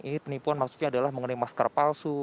ini penipuan maksudnya adalah mengenai masker palsu